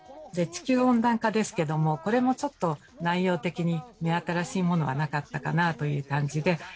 で地球温暖化ですけどもこれもちょっと内容的に目新しいものはなかったかなという感じで。